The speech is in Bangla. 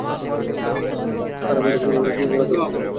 স্যার, আমাকে ক্যামেরার সামনে দাঁড়াতে হবে কেন?